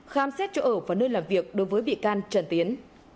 khám xét chỗ ở và nơi làm việc đối với bị can trần tiến